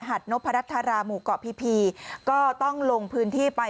ดนพรัชราหมู่เกาะพีพีก็ต้องลงพื้นที่ไป